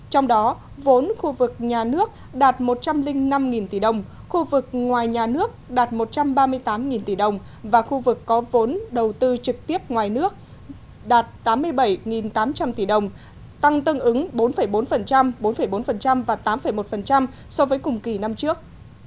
trong đó vốn khu vực nhà nước đạt một trăm linh năm tỷ đồng khu vực ngoài nhà nước đạt một trăm ba mươi tám tỷ đồng và khu vực có vốn đầu tư trực tiếp ngoài nước đạt tám mươi bảy tám trăm linh tỷ đồng tăng tương ứng bốn bốn bốn và tám một so với cùng kỳ năm trước